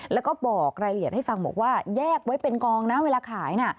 แล้วก็บอกรายละเอียดให้ฟังบอกว่าแยกไว้เป็นกองนะเวลาขายน่ะ